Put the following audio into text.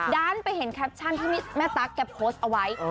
ด้านไปเห็นแคปชั่นที่แม่ตั๊กแกโพสต์เอาไว้